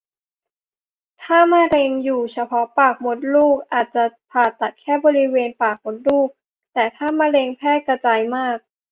ถ้ามะเร็งอยู่เฉพาะปากมดลูกอาจจะผ่าตัดแค่บริเวณปากมดลูก แต่ถ้ามะเร็งแพร่กระจายมาก